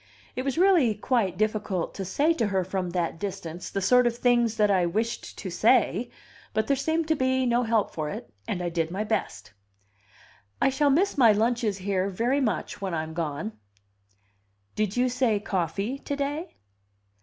It was really quite difficult to say to her from that distance the sort of things that I wished to say; but there seemed to be no help for it, and I did my best. "I shall miss my lunches here very much when I'm gone." "Did you say coffee to day?"